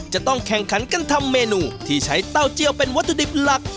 จะต้องแข่งขันกันทำเมนูที่ใช้เต้าเจียวเป็นวัตถุดิบหลัก